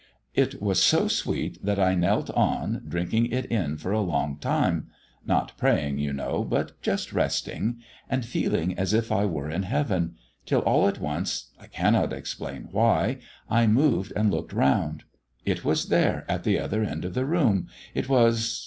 "It was so sweet that I knelt on, drinking it in for a long time; not praying, you know, but just resting, and feeling as if I were in heaven, till all at once, I cannot explain why, I moved and looked round. It was there at the other end of the room. It was